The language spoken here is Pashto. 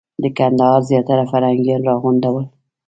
د کندهار زیاتره فرهنګیان راغونډ ول.